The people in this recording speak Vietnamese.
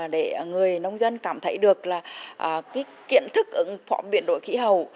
để người nông dân cảm thấy được là kiện thức ứng phó biến đổi khí hậu